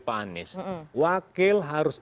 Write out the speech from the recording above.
pak anies wakil harus